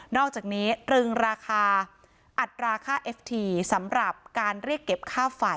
อกจากนี้ตรึงราคาอัตราค่าเอฟทีสำหรับการเรียกเก็บค่าไฟ